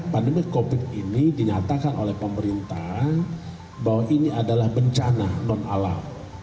pandemi covid ini dinyatakan oleh pemerintah bahwa ini adalah bencana non alam